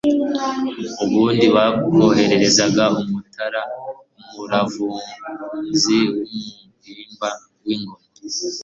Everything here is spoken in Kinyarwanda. Ubundi bakohereza Umutora umuramvuzi w'umuhimba w'ingoma